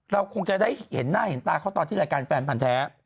คงจะได้เห็นหน้าเห็นตาเขาตอนที่รายการแฟนพันธ์แท้